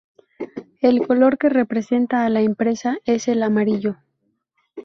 El color que representa a la empresa es el amarillo.